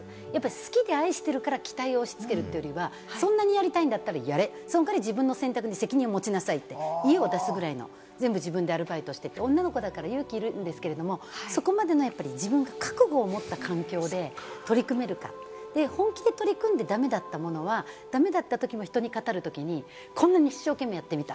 好きで愛してるから期待を押し付けるというのは、そんなにやりたいんだったらやれ、その代わり自分の選択に責任を持ちなさいって、家を出すぐらいの、自分でアルバイトして、女の子だから勇気いるんですけれども、そこまでの自分が覚悟を持った環境で取り組めるか、本気で取り組んで駄目だったものは、駄目だったときも人に語るときにこんなに一生懸命やってみた。